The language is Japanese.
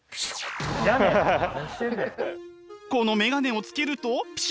この眼鏡をつけるとピシュ！